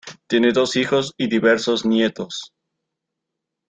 Tiene dos hijos y diversos nietos.